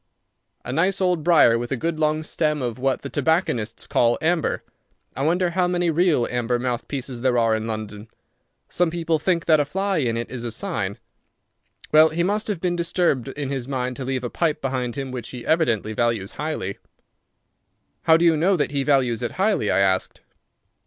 A nice old briar with a good long stem of what the tobacconists call amber. I wonder how many real amber mouthpieces there are in London. Some people think that a fly in it is a sign. Well, he must have been disturbed in his mind to leave a pipe behind him which he evidently values highly." "How do you know that he values it highly?" I asked.